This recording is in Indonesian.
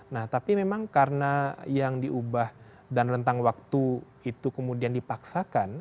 nah tapi memang karena yang diubah dan rentang waktu itu kemudian dipaksakan